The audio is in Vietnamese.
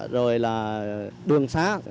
rồi là đường xá